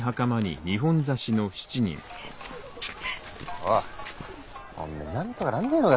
おいおめえなんとかなんねえのか？